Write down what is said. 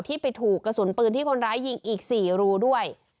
ที่ไปถูกกระสุนปืนที่คนร้ายยิงอีก๔รูด้วย